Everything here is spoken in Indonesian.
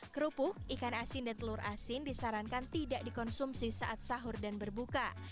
kerupuk ikan asin dan telur asin disarankan tidak dikonsumsi saat sahur dan berbuka